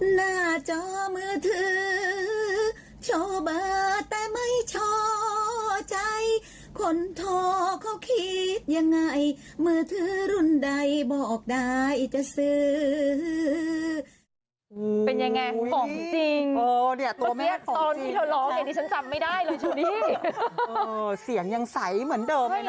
หน้าจอมือถือชอบเบอร์แต่ไม่ชอใจคนทอเขาคิดยังไงมือถือรุ่นใดบอกได้จะซื้อ